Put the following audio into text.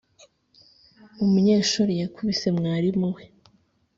Umunyeshuri yakubise mwarimu we